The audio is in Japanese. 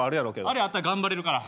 あれあったら頑張れるから。